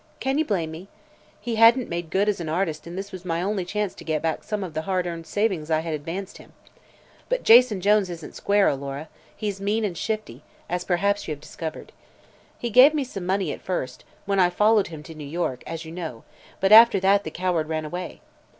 Can you blame me? He hadn't made good as an artist and this was my only chance to get back some of the hard earned savings I had advanced him. But Jason Jones isn't square, Alora; he's mean and shifty, as perhaps you have discovered. He gave me some money at first, when I followed him to New York, as you know; but after that the coward ran away.